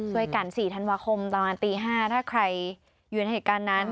ช่วยกัน๔ธันวาคมตอนประมาณตี๕ถ้าใครอยู่ในเหตุการณ์นั้น